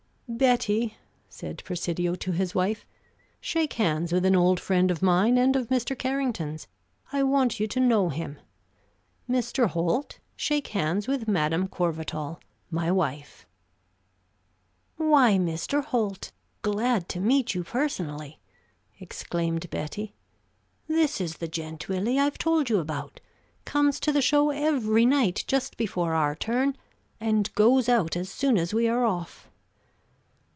"Betty," said Presidio to his wife, "shake hands with an old friend of mine and of Mr. Carrington's. I want you to know him. Mr. Holt, shake hands with Madame Courvatal, my wife." "Why, Mr. Holt, glad to meet you personally!" exclaimed Betty. "This is the gent, Willie, I've told you about: comes to the show every night just before our turn, and goes out as soon as we are off."